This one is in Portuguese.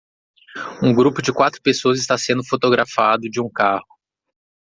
Um grupo de quatro pessoas está sendo fotografado de um carro.